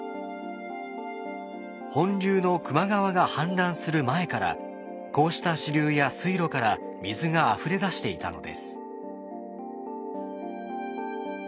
本流の球磨川が氾濫する前からこうした支流や水路から水があふれ出していたのです。